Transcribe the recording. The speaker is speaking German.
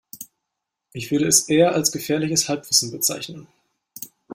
Ich würde es eher als gefährliches Halbwissen bezeichnen.